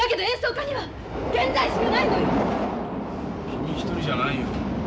君一人じゃないよ。